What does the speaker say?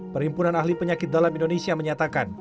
perhimpunan ahli penyakit dalam indonesia menyatakan